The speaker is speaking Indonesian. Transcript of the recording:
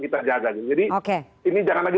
kita jagain jadi ini jangan lagi